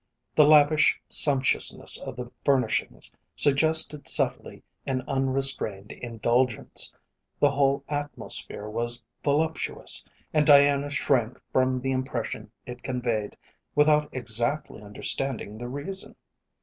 The lavish sumptuousness of the furnishings suggested subtly an unrestrained indulgence, the whole atmosphere was voluptuous, and Diana shrank from the impression it conveyed without exactly understanding the reason.